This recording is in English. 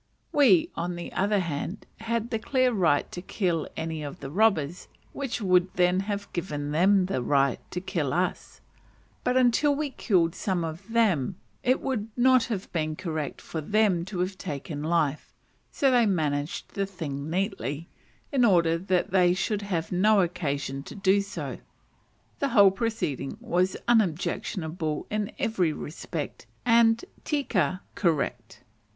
We, on the other hand, had the clear right to kill any of the robbers, which would then have given them the right to kill us; but until we killed some of them, it would not have been "correct" for them to have taken life, so they managed the thing neatly, in order that they should have no occasion to do so. The whole proceeding was unobjectionable in every respect, and tika (correct).